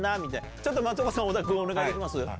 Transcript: ちょっと松岡さん、小田君をお願いできます？